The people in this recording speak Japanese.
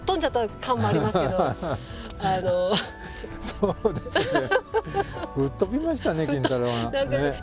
そうですね。